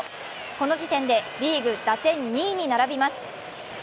この時点でリーグ打点２位に並びます。